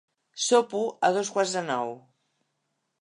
Sopo a dos quarts de nou.